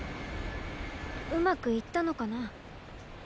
うまくいったのかな？